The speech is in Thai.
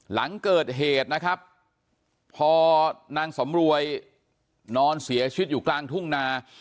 หลังเกิดเหตุนะครับพอนางสำรวยนอนเสียชีวิตอยู่กลางทุ่งนา